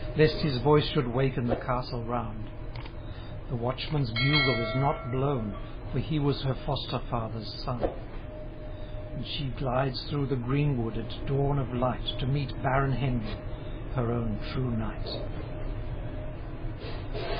Lest his voice should waken the castle round ; The watchman's bugle is not blown. For he was her foster father's son ; And she glides through the greenwood at dawn of light. To meet Baron Henry, her own true knight.